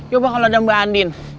ya udah kalau ada mbak andin